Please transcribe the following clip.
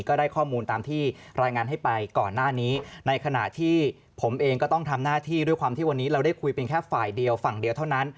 ก็ได้ข้อมูลตามที่รายงานให้ไปก่อนหน้านี้ในขณะที่ผมเองก็ต้องทำหน้าที่ด้วยความที่วันนี้เราได้คุยเป็นแค่ฝ่ายเดียวฝั่งเดียวเท่านั้น